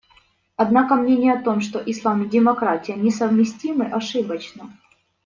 Однако мнение о том, что Ислам и демократия несовместимы, ошибочно.